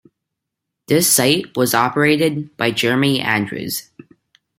The site was operated by Jeremy Andrews.